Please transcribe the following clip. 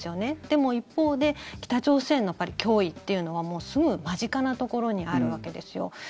でも、一方で北朝鮮の脅威というのはすぐ間近なところにあるわけですよ。